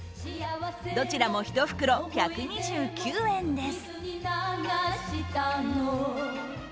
どちらも１袋１２９円です。